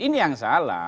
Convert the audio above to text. ini yang salah